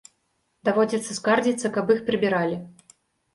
Даводзіцца скардзіцца, каб іх прыбіралі.